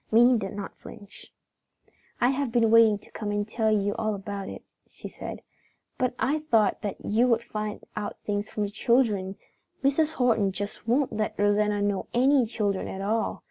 Minnie did not flinch. "I have been wanting to come and tell you all about it," she said, "but I thought that you would find out things from the children. Mrs. Horton just won't let Rosanna know any children at all.